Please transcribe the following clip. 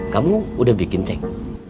kamu udah bikin ceng